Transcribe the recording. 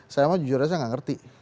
saya jujur aja gak ngerti